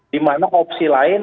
dimana opsi lain